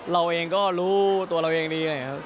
เราเองก็รู้ตัวเราเองดีเลยครับ